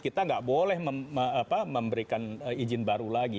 kita nggak boleh memberikan izin baru lagi